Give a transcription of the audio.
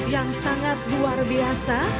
yang sangat luar biasa